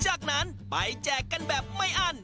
จากนั้นไปแจกกันแบบไม่อั้น